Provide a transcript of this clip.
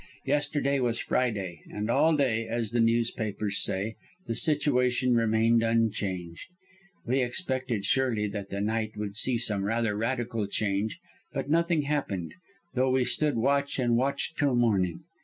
Yesterday was Friday, and all day, as the newspapers say, 'the situation remained unchanged.' We expected surely that the night would see some rather radical change, but nothing happened, though we stood watch and watch till morning.